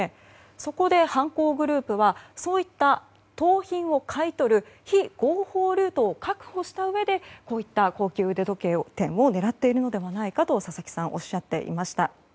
そこで、犯行グループはそういった盗品を買い取る非合法ルートを確保したうえでこういった高級腕時計店を狙っているのではないかと佐々木さんおっしゃっていました。